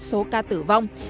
số ca tử vong